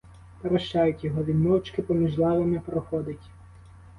Прощають його — він мовчки поміж лавами проходить.